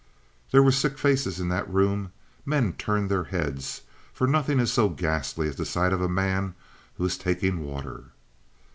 There were sick faces in that room; men turned their heads, for nothing is so ghastly as the sight of a man who is taking water.